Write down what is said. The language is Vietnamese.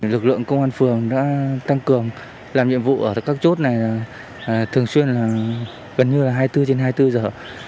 lực lượng công an phường đã tăng cường làm nhiệm vụ ở các chốt này thường xuyên gần như là hai mươi bốn trên hai mươi bốn giờ